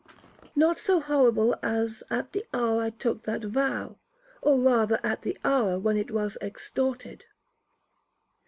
'Not so horrible as at the hour I took that vow, or rather at the hour when it was extorted.'